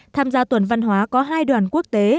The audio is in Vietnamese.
tham gia tuần văn hóa có hai đoàn quốc tế